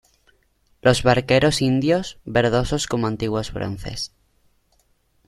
los barqueros indios, verdosos como antiguos bronces